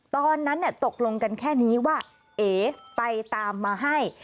ตอนนั้นตกลงกันแค่นี้ว่าเอ๋ไปตามมาให้